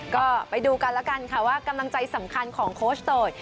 ก็ไปดูกันแล้วกันค่ะว่ากำลังใจสำคัญของโค้ชเตย